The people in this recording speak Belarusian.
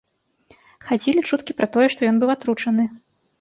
Хадзілі чуткі пра тое, што ён быў атручаны.